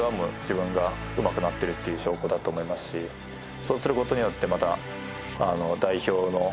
そうする事によってまた。